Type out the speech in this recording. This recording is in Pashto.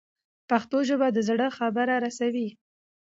پښتو ژبه د زړه خبره رسوي.